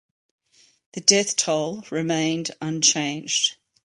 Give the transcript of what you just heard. The death toll remained unchanged.